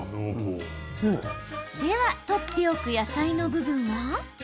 では取っておく野菜の部分は。